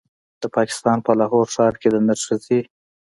د پاکستان په لاهور ښار کې د نرښځې